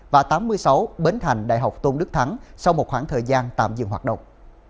và tám mươi sáu bến thành đại học tôn đức thắng sau một khoảng thời gian tạm dừng hoạt động